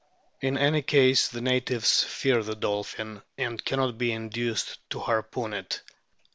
In any case the natives fear the dolphin, and cannot be induced to harpoon it.